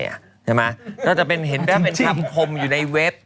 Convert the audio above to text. ใช่ไหมก็จะเป็นเห็นแบบเป็นคำคมอยู่ในเว็บ